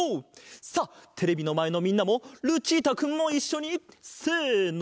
さあテレビのまえのみんなもルチータくんもいっしょにせの！